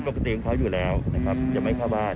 ปกติของเขาอยู่แล้วนะครับจะไม่เข้าบ้าน